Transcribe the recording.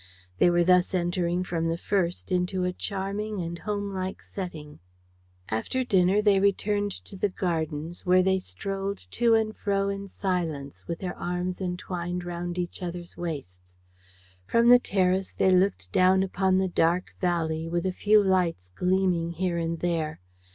They were thus entering from the first into a charming and home like setting. After dinner they returned to the gardens, where they strolled to and fro in silence, with their arms entwined round each other's waists. From the terrace they looked down upon the dark valley, with a few lights gleaming here and there.